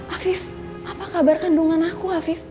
afif apa kabar kandungan aku afif